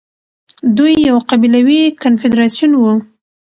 دوی يو قبيلوي کنفدراسيون وو